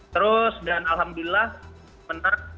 terus dan alhamdulillah menang pengaruh stand up